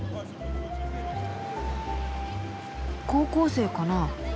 高校生かな？